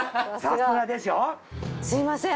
すみません